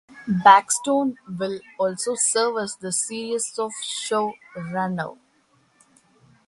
Blackstone will also serve as the series showrunner.